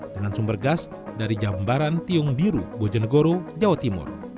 dengan sumber gas dari jambaran tiung biru bojonegoro jawa timur